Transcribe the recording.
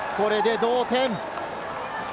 これで同点。